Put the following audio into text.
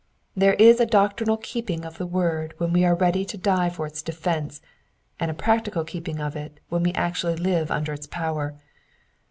There is a doctrinal keeping of the word when we are ready to die for its defence, and a practical keeping of it when we actually live under its power.